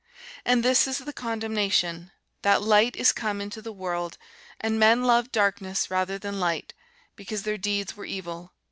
And this is the condemnation, that light is come into the world, and men loved darkness rather than light, because their deeds were evil.